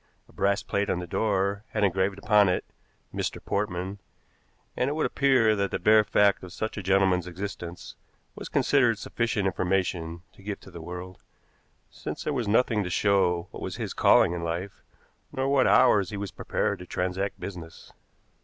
A brass plate on the door had engraved upon it "Mr. Portman," and it would appear that the bare fact of such a gentleman's existence was considered sufficient information to give to the world, since there was nothing to show what was his calling in life, nor what hours he was prepared to transact business.